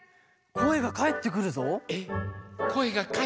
⁉こえがかえってくるぞ。